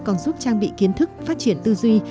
còn giúp trang bị kiến thức phát triển tư duy